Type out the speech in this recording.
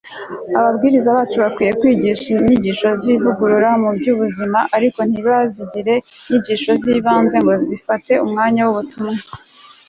ababwiriza bacu bakwiriye kwigisha inyigisho z'ivugurura mu by'ubuzima, ariko ntibazigire ibyigisho by'ibanze ngo bifate umwanya w'ubutumwa